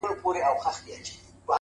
• ډېـــره شناخته مي په وجود كي ده؛